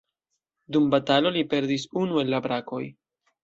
Dum batalo li perdis unu el la brakoj.